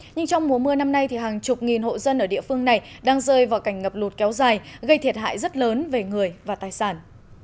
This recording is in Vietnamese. nhưng trong mùa mưa năm nay thì hàng chục nghìn hộ dân ở địa phương này đang rơi vào cảnh ngập lụt kéo dài gây thiệt hại rất lớn về người và tài sản